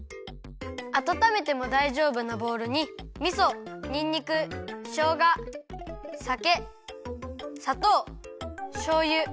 あたためてもだいじょうぶなボウルにみそにんにくしょうがさけさとうしょうゆ